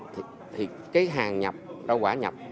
thì cái hàng nhập rau quả nhập